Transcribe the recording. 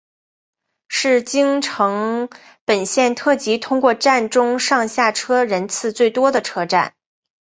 是京成本线特急通过站中上下车人次最多的车站。